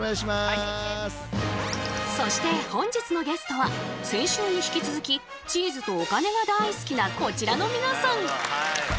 そして本日のゲストは先週に引き続きチーズとお金が大好きなこちらの皆さん！